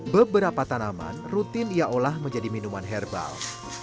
beberapa tanaman rutin ia olah menjadi minuman herbal